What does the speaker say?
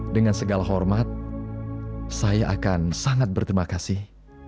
dengan segala hormat saya akan sangat berterima kasih